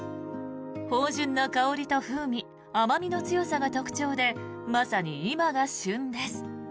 芳じゅんな香りと風味甘味の強さが特徴でまさに今が旬です。